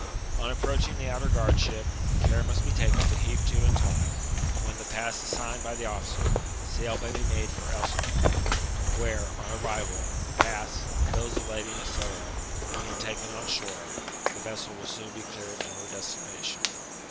On approaching the outer guard ship, care must be taken to heave to in time; when llie pass is signed by the officer, s^l may be made for ElsinOre, where, on arrival, the pass, bills of lading, &c., being taken on shore, the vessel will soon be cleared for her destination."